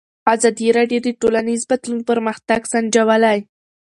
ازادي راډیو د ټولنیز بدلون پرمختګ سنجولی.